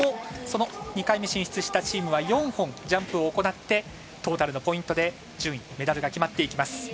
その２回目進出したチームは４本、ジャンプを行ってトータルのポイントで順位、メダルが決まっていきます。